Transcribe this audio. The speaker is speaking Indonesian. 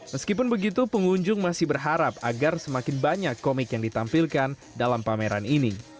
meskipun begitu pengunjung masih berharap agar semakin banyak komik yang ditampilkan dalam pameran ini